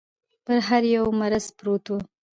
پر هر يوه مريض پروت و.